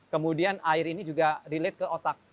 kemudian air ini juga relate ke otak